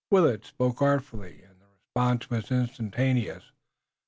Willet spoke artfully and the response was instantaneous.